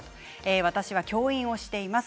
私は教員をしています。